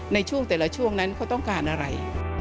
ในช่วงแต่ละช่วงนั้นเขาต้องการอะไร